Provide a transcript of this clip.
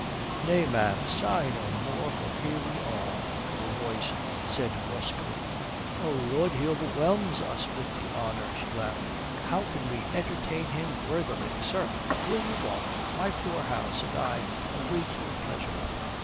"Nay, ma'am, sigh no more for here are we," Colonel Boyce said brusquely. "Oh Lud, he overwhelms us with the honour." She laughed. "How can we entertain him worthily? Sir, will you walk? My poor house and I await your pleasure."